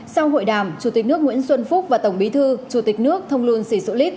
sau hội đàm chủ tịch nước nguyễn xuân phúc và tổng bí thư chủ tịch nước thông luân sĩ sữ lít